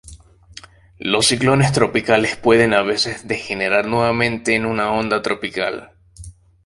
Los ciclones tropicales pueden a veces degenerar nuevamente en una onda tropical.